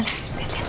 tidak tidak tidak